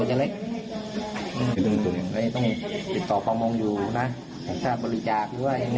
ใช่ผู้ใหญ่ก็ว่าตัวนึงประมาณ๖๐๐๐๐อ่ะนะ